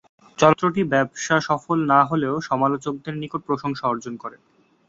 চলচ্চিত্রটি ব্যবসাসফল না হলেও সমালোচকদের নিকট প্রশংসা অর্জন করে।